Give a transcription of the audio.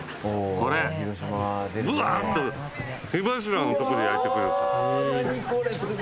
これブワッと火柱のとこで焼いてくれる。